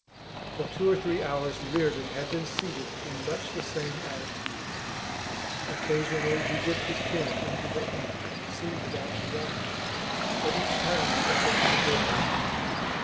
For two or three hours Reardon had been seated in much the same attitude. Occasionally he dipped his pen into the ink and seemed about to write: but each time the effort was abortive.